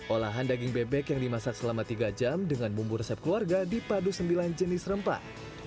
olahan daging bebek yang dimasak selama tiga jam dengan bumbu resep keluarga dipadu sembilan jenis rempah